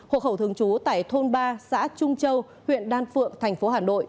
hộ khẩu thường trú tại thôn ba xã trung châu huyện đan phượng thành phố hà nội